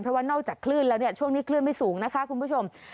เพราะว่านอกจากคลื่นแล้วเนี่ยช่วงนี้คลื่นไม่สูงนะคะคุณผู้ชม